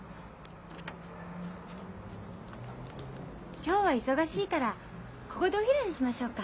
今日は忙しいからここでお昼にしましょうか。